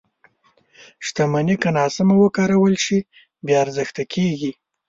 • شتمني که ناسمه وکارول شي، بې ارزښته کېږي.